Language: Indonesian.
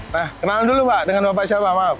nah kenal dulu pak dengan bapak siapa maaf